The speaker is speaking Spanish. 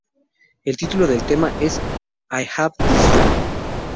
El título del tema es "I Have This Dream".